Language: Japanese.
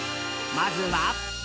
まずは。